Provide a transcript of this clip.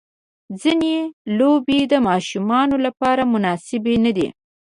ځینې لوبې د ماشومانو لپاره مناسبې نه دي.